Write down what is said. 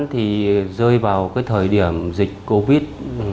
thì rơi vào cái thời điểm dịch covid